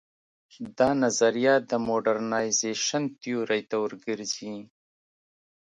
دا نظریه د موډرنیزېشن تیورۍ ته ور ګرځي.